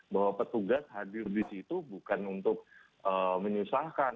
bahwa petugas hadir di situ bukan untuk menyusahkan